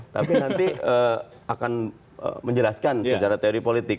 tapi nanti akan menjelaskan secara teori politik